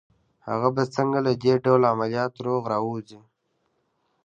هغه به څنګه له دې ډول عملياته روغ را ووځي